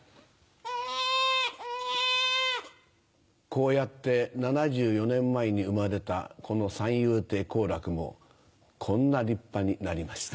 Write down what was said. こうやって７４年前に生まれたこの三遊亭好楽もこんな立派になりました。